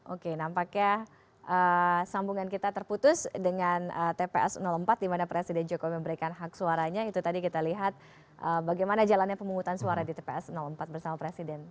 oke nampaknya sambungan kita terputus dengan tps empat dimana presiden jokowi memberikan hak suaranya itu tadi kita lihat bagaimana jalannya pemungutan suara di tps empat bersama presiden